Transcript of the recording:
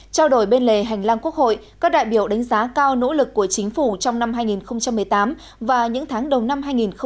trao đổi bên lề hành lang quốc hội các đại biểu đánh giá cao nỗ lực của chính phủ trong năm hai nghìn một mươi tám và những tháng đầu năm hai nghìn một mươi chín